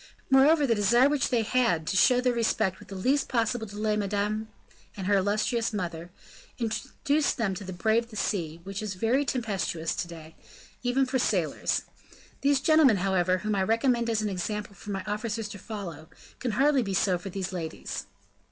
Moreover, the desire which they had to show their respect with the least possible delay to Madame and her illustrious mother, induced them to brave the sea, which is very tempestuous to day, even for sailors. These gentlemen, however, whom I recommend as an example for my officers to follow, can hardly be so for these ladies."